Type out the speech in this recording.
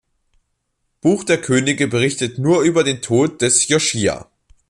Buch der Könige berichtet nur über den Tod des Joschija.